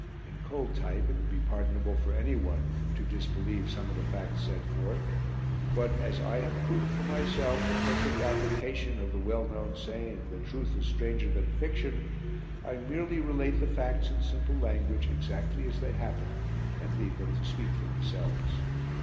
In cold type it would be pardonable for anyone to disbelieve some of the facts set forth, but, as I have proved for myself the perfect application of the well known saying that "truth is stranger than fiction," I merely relate the facts in simple language exactly as they happened, and leave them to speak for themselves.